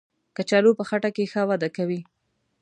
کچالو په خټه کې ښه وده کوي